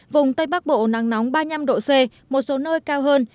vùng tây bắc bộ nắng nóng ba mươi năm độ c một số nơi cao hơn